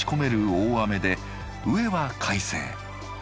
大雨で上は快晴。